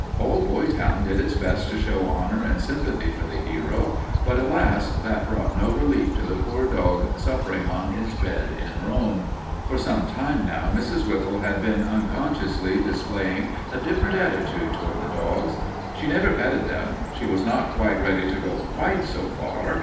All Boytown did its best to show honor and sympathy for the hero, but, alas, that brought no relief to the poor dog suffering on his bed in Rome. For some time now Mrs. Whipple had been unconsciously displaying a different attitude toward the dogs. She never petted them; she was not yet ready to go quite so far.